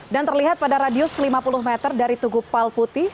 dan terlihat pada radius lima puluh meter dari tugu palputih